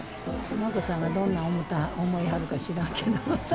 眞子さんがどんなん思いはるか知らんけど。